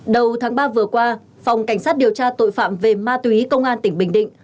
đầu tháng ba vừa qua phòng cảnh sát điều tra tội phạm về ma túy công an tỉnh bình định